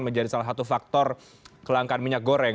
menjadi salah satu faktor kelangkaan minyak goreng